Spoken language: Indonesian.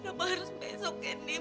kenapa harus besok gini